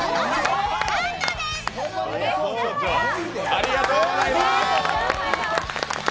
ありがとうございます！